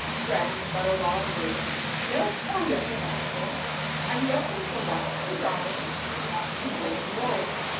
Bread and butter while I'm waiting. Milk? Oh, yes a bucketful.) I'm just in from west the Darling, 'picking up' and 'rolling wool.